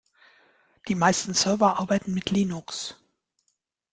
Die meisten Server arbeiten mit Linux.